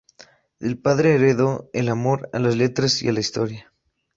Del padre heredó el amor a las letras y la historia.